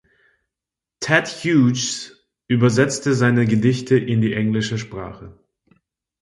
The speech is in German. Ted Hughes übersetzte seine Gedichte in die englische Sprache.